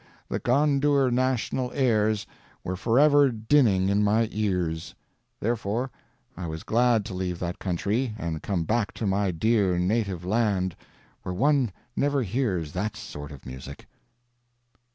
The Gondour national airs were forever dinning in my ears; therefore I was glad to leave that country and come back to my dear native land, where one never hears that sort of music.